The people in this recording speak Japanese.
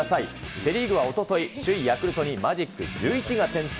セ・リーグはおととい、首位ヤクルトにマジック１１が点灯。